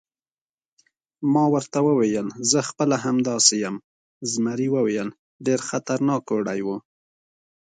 ما ورته وویل: زه خپله همداسې یم، زمري وویل: ډېر خطرناک اوړی و.